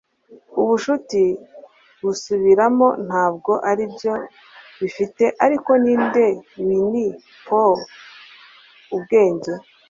ubucuti busubiramo ntabwo aribyo bifite ariko ninde winnie pooh ubwenge